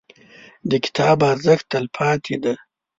• د کتاب ارزښت، تلپاتې دی.